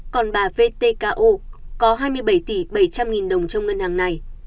còn bà v t k o có hai mươi bảy tỷ bảy trăm linh đồng trong ngân hàng này